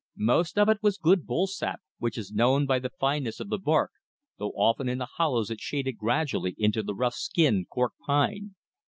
Most of it was good bull sap, which is known by the fineness of the bark, though often in the hollows it shaded gradually into the rough skinned cork pine.